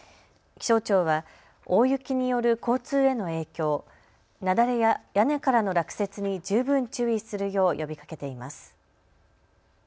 気象庁は、大雪による交通への影響、雪崩や屋根からの落雪に十分注意するよう呼びかけています。